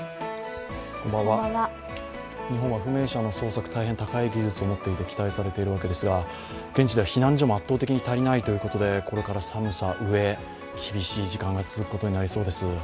日本は不明者の捜索、大変高い技術を持っていて期待されているわけですが現地では避難所も圧倒的に足りないということでこれから寒さ、飢え、厳しい時間が続くことになりそうです。